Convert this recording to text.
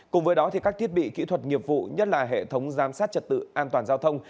cùng với đó các thiết bị kỹ thuật nghiệp vụ nhất là hệ thống giám sát trật tự an toàn giao thông